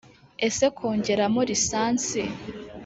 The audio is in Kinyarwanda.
ese kongeramo lisansi